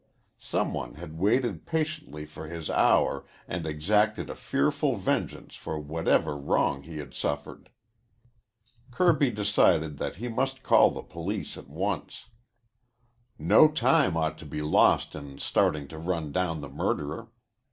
Some one had waited patiently for his hour and exacted a fearful vengeance for whatever wrong he had suffered. Kirby decided that he must call the police at once. No time ought to be lost in starting to run down the murderer.